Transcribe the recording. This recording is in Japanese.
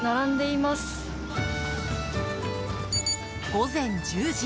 午前１０時。